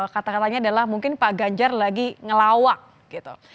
kata katanya adalah mungkin pak ganjar lagi ngelawak gitu